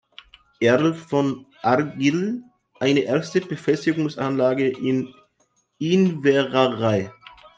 Earl von Argyll, eine erste Befestigungsanlage in Inveraray.